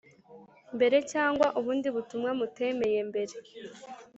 mbere cyangwa ubundi butumwa mutemeye mbere